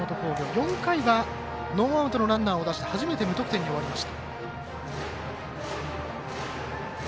４回はノーアウトのランナーを出して初めて無得点に終わりました。